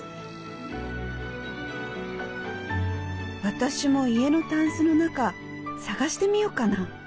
私も家のタンスの中探してみようかな。